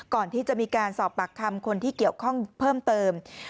ก่อนที่จะมีการสอบปากคำคนที่เกี่ยวข้องเพิ่มเติม